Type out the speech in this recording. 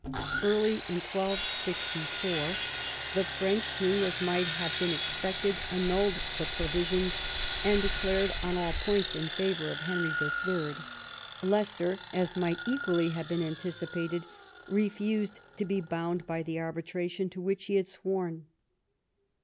Early in 1264 the French king, as might have been expected, annulled the Provisions, and declared on all points in favour of Henry IIL Leicester, as might equally have been anticipated, refused to be bound by the arbitration to which he had sworn.